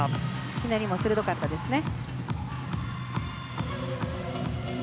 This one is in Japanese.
ひねりも鋭かったですね。